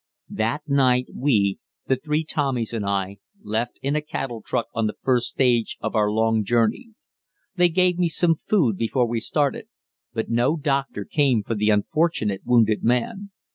That night we, the three Tommies and I, left in a cattle truck on the first stage of our long journey. They gave me some food before we started, but no doctor came for the unfortunate wounded man.